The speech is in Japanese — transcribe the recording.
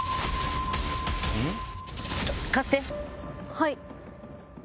はい。